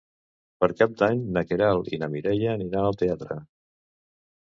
Per Cap d'Any na Queralt i na Mireia aniran al teatre.